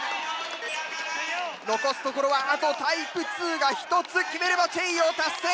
残すところはあとタイプ２が１つ決めればチェイヨー達成！